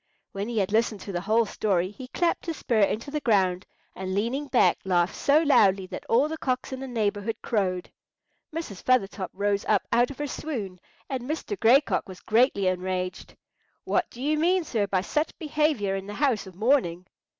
When he had listened to the whole story, he clapped his spur into the ground, and leaning back laughed so loudly that all the cocks in the neighbourhood crowed. Mrs. Feathertop rose up out of her swoon, and Mr. Gray Cock was greatly enraged. "What do you mean, sir, by such behaviour in the house of mourning?"